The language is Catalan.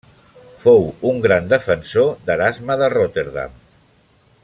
Fou un gran defensor d'Erasme de Rotterdam.